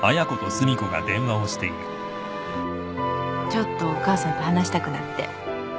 ちょっとお母さんと話したくなって。